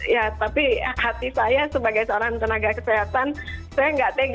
ya tapi hati saya sebagai seorang tenaga kesehatan saya tidak tega membiarkan teman teman saya